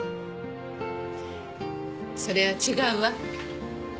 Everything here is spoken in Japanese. それは違うわ。